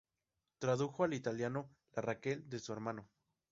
Tradujo al italiano la "Raquel" de su hermano.